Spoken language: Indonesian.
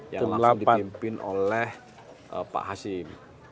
yang langsung dipimpin oleh pak hasim